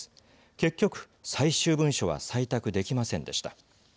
結局、最終文書は採択できませんでした。